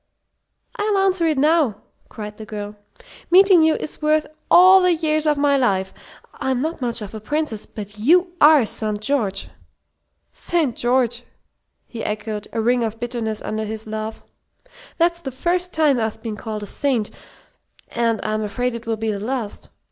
"I'll answer it now!" cried the girl. "Meeting you is worth all the years of my life! I'm not much of a princess, but you are St. George." "St. George!" he echoed, a ring of bitterness under his laugh. "That's the first time I've been called a saint, and I'm afraid it will be the last.